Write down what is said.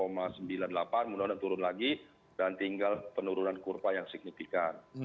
mudah mudahan turun lagi dan tinggal penurunan kurva yang signifikan